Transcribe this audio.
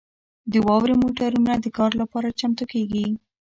د واورې موټرونه د کار لپاره چمتو کیږي